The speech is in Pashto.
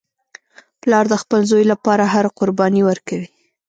پلار د خپل زوی لپاره هره قرباني ورکوي